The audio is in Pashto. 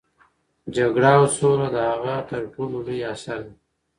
جګړه او سوله د هغه تر ټولو لوی اثر دی.